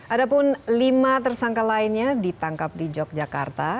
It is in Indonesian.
ada pun lima tersangka lainnya ditangkap di yogyakarta